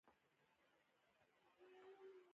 د مزدونو، معاشونو او د نورو مکافاتو زیاتوالی.